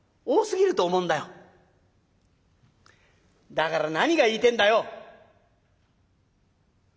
「だから何が言いてえんだよ」。